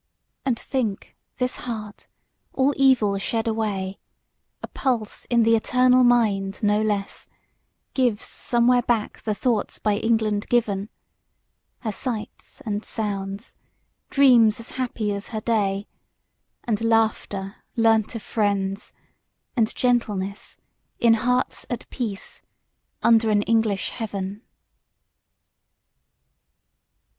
And think, this heart, all evil shed away, A pulse in the eternal mind, no less Gives somewhere back the thoughts by England given; Her sights and sounds; dreams happy as her day; And laughter, learnt of friends; and gentleness, In hearts at peace, under an English heaven.